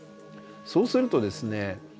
そうするとですね